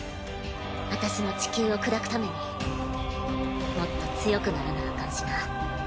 私も地球を砕くためにもっと強くならなあかんしな。